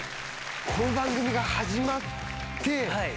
この番組が始まって。